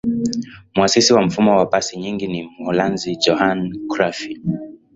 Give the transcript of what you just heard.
muasisi wa mfumo wa pasi nyingi ni mholanzi johan crufy